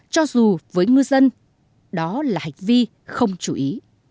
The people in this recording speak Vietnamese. cho dù với ngư dân đó là hành vi không chú ý